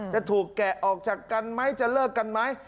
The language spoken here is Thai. จะถูกแกะออกจากกันไหมจะเลิกกันไหม